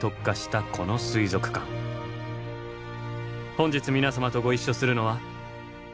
本日皆さまとご一緒するのは。